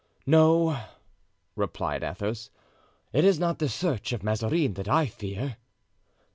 "No," replied Athos, "it is not the search of Mazarin that I fear."